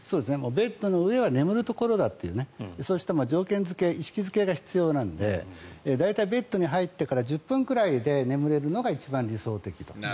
ベッドの上は眠るところだというそうした条件付け、意識付け必要なので大体、ベッドに入ってから１０分ぐらいで眠れるのが一番理想的と。